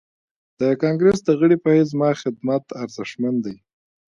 د کانګريس د غړي په حيث زما خدمت ارزښتمن دی.